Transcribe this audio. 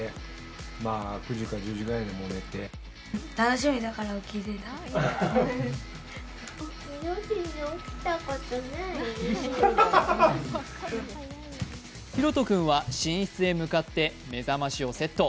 丈人君は寝室へ向かって目覚ましをセット。